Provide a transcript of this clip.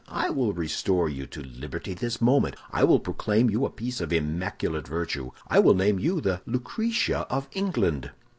I will restore you to liberty this moment; I will proclaim you a piece of immaculate virtue; I will name you the Lucretia of England.